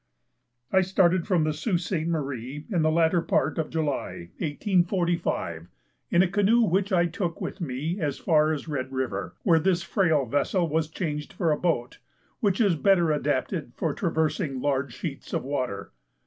I started from the Sault de S^{te.} Marie in the latter part of July, 1845, in a canoe which I took on with me as far as Red River, where this frail vessel was changed for a boat, which is better adapted for traversing large sheets of water.